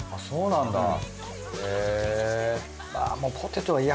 そうなんだ。